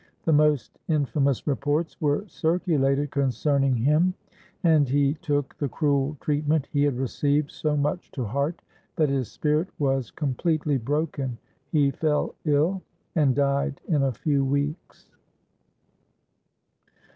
The most infamous reports were circulated concerning him; and he took the cruel treatment he had received so much to heart, that his spirit was completely broken—he fell ill, and died in a few weeks.